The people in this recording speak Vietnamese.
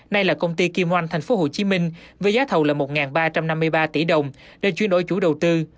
nay là công ty kim oanh thành phố hồ chí minh với giá thầu là một ba trăm năm mươi ba tỷ đồng để chuyển đổi chủ đầu tư